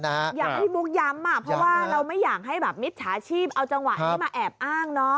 อยากให้พี่มุกย้ำเพราะว่าเราไม่อยากให้แบบมิจฉาชีพเอาจังหวะนี้มาแอบอ้างเนาะ